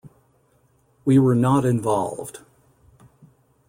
We were not involved".